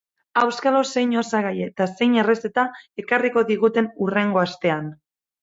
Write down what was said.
Auskalo zein osagai eta zein errezeta ekarriko diguten hurrengo astean.